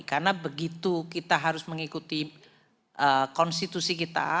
karena begitu kita harus mengikuti konstitusi kita